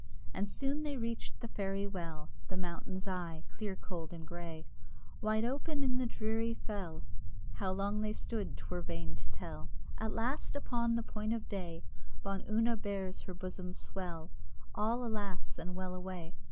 And soon they reached the Fairy Well, The mountain's eye, clear, cold, and grey, Wide open in the dreary fell: How long they stood 'twere vain to tell, At last upon the point of day, Bawn Una bares her bosom's swell, (All, alas! and well away!)